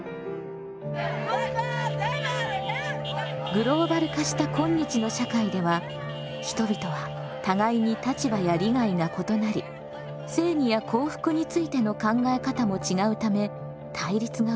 グローバル化した今日の社会では人々は互いに立場や利害が異なり正義や幸福についての考え方も違うため対立が生まれます。